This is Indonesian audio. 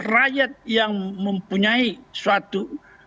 rakyat yang mempunyai suatu